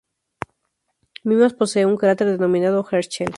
Mimas posee un cráter denominado Herschel.